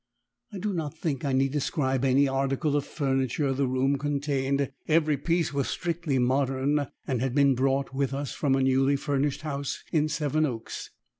I do not think I need describe any article of furniture the room contained; every piece was strictly modern, and had been brought with us from a newly furnished house in Sevenoaks.